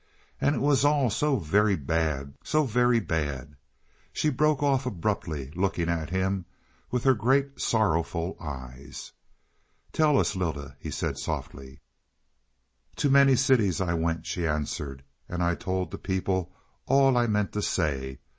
And it was all so very bad so very bad " she broke off abruptly, looking at him with her great, sorrowful eyes. "Tell us Lylda," he said softly. "To many cities I went," she answered. "And I told the people all I meant to say.